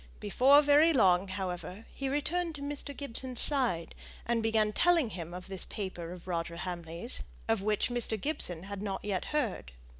Before very long, however, he returned to Mr. Gibson's side, and began telling him of this paper of Roger Hamley's, of which Mr. Gibson had not yet heard.